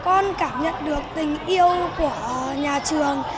con cảm nhận được tình yêu của các bậc phụ huynh